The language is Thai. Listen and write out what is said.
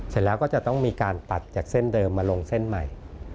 เสร็จแล้วก็จะต้องมีการตัดจากเส้นเดิมมาลงเส้นใหม่